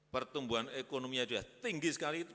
pertumbuhan ekonomi itu tinggi sekali